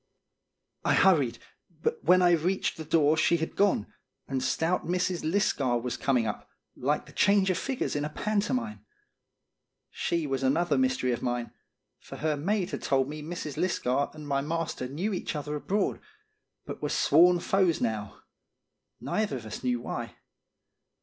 I hurried, but when I reached the door she had gone, and stout Mrs. Lisgar was coming up, like the change of figures in a pantomime. She was another mystery of mine; for her maid had told me Mrs. Lisgar and my master knew each other abroad, but were sworn foes now, neither of us knew why.